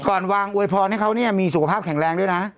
ก่อนวางอวยพรให้เขาเนี่ยมีสุขภาพแข็งแรงด้วยนะ